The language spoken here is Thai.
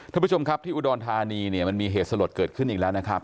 ท่านผู้ชมครับที่อุดรธานีเนี่ยมันมีเหตุสลดเกิดขึ้นอีกแล้วนะครับ